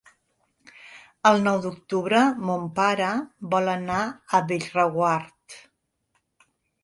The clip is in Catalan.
El nou d'octubre mon pare vol anar a Bellreguard.